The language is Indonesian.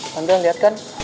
tante liat kan